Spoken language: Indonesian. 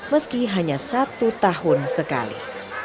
meski hanya satu tahun sekali